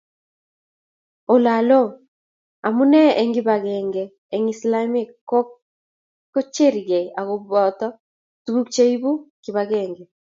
ololoo, amune eng' kibagenge eng' islamiek ko kechergei akubo tuguk che ibu kibagenge